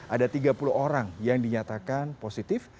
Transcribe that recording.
ada tiga puluh orang yang dinyatakan positif